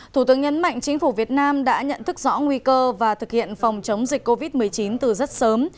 thủ tướng nhấn mạnh chính phủ việt nam đã nhận thức rõ nguy cơ và thực hiện phòng chống dịch covid một mươi chín từ rất sớm